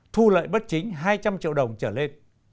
thu lợi bất chính hai trăm linh triệu đồng trở lên